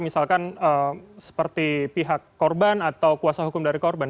misalkan seperti pihak korban atau kuasa hukum dari korban